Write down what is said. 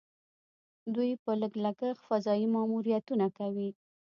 دوی په لږ لګښت فضايي ماموریتونه کوي.